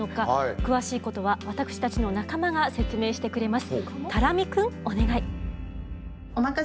詳しいことは私たちの仲間が説明してくれます。